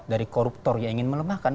dari koruptor yang ingin melemahkan